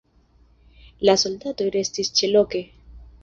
La soldatoj restis ĉeloke.